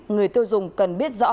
người tiêu dùng cần biết rõ